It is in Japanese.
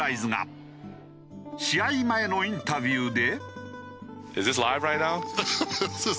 試合前のインタビューで。